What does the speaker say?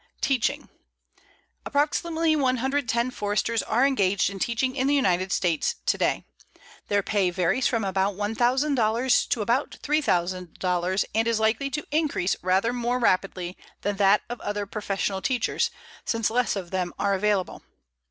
TEACHING Approximately 110 Foresters are engaged in teaching in the United States to day. Their pay varies from about $1000 to about $3000, and is likely to increase rather more rapidly than that of other professional teachers, since less of them are available.